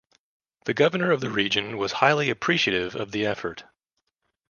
The governor of the region was highly appreciative of the effort.